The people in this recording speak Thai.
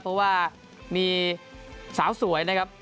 เพราะว่ามีสาวสวยนะครับ